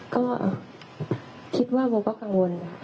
ก็คิดว่าบ่เขากังวล